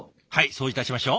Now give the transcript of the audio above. そういたしましょう。